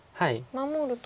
守ると。